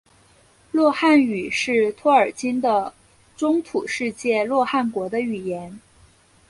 洛汗语是托尔金的中土世界洛汗国的语言。